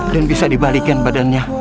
dan bisa dibalikan badannya